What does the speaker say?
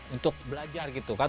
untuk belajar gitu kan